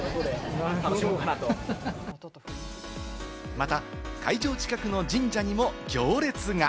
また会場近くの神社にも行列が。